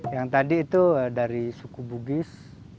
yang tadi itu dari suku bugis